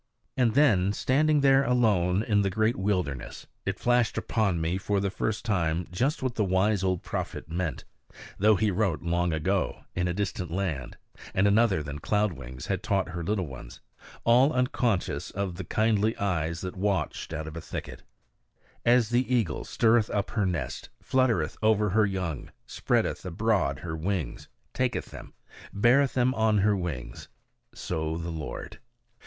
And then, standing there alone in the great wilderness, it flashed upon me for the first time just what the wise old prophet meant; though he wrote long ago, in a distant land, and another than Cloud Wings had taught her little ones, all unconscious of the kindly eyes that watched out of a thicket: "As the eagle stirreth up her nest, fluttereth over her young, spreadeth abroad her wings, taketh them, beareth them on her wings, so the Lord."